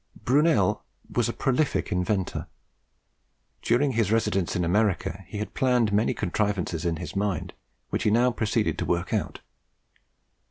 Brunel was a prolific inventor. During his residence in America, he had planned many contrivances in his mind, which he now proceeded to work out.